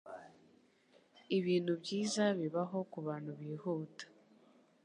Ibintu byiza bibaho kubantu bihuta.